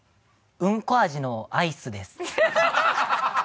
うんこ味のアイス？